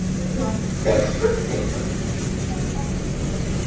Chodby v hlubinných dolech tedy nejsou štoly.